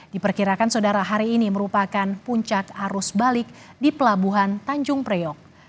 diperkirakan saudara hari ini merupakan puncak arus balik di pelabuhan tanjung priok